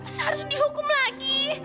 masa harus dihukum lagi